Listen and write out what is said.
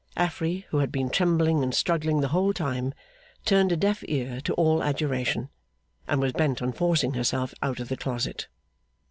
Affery, who had been trembling and struggling the whole time, turned a deaf ear to all adjuration, and was bent on forcing herself out of the closet.